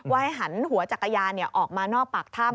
ให้หันหัวจักรยานออกมานอกปากถ้ำ